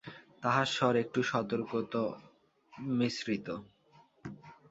তাহার স্বর একটু সতর্কত মিশ্রিত।